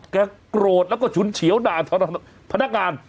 โกรธแล้วก็ฉุนเฉียวด่าพนักงาน